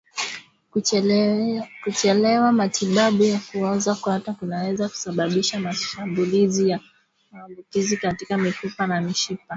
Kuchelewa matibabu ya kuoza kwato kunaweza kusababisha mashambulizi ya maambukizi katika mifupa na mishipa